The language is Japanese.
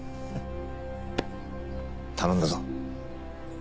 頼んだぞ。